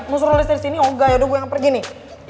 ngusur nulis dari sini oh gak yaudah gue yang pergi nih